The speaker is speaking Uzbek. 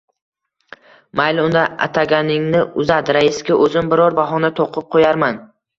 Mayli, unda, ataganingni uzat, raisga o‘zim biror bahona to‘qib qo‘yarman